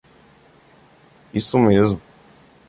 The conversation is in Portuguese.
Isso mesmo!